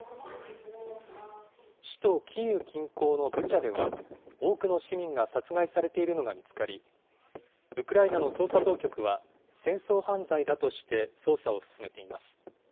首都キーウ近郊のブチャでは、多くの市民が殺害されているのが見つかり、ウクライナの捜査当局は、戦争犯罪だとして、捜査を進めています。